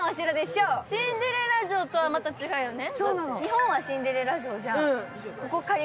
シンデレラ城とはまた違うよね？